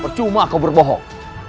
percuma kau berbohong